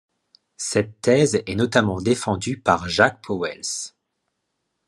Cette thèse est notamment défendue par Jacques Pauwels.